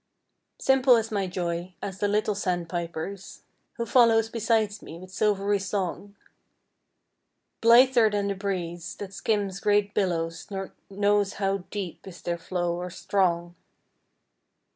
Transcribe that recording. Simple is my joy As the little sandpiper's, Who follows beside me With silvery song; Blither than the breeze, That skims great billows Nor knows how deep Is their flow or strong.